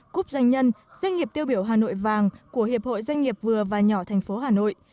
cúp doanh nhân doanh nghiệp tiêu biểu hà nội vàng của hiệp hội doanh nghiệp vừa và nhỏ thành phố hà nội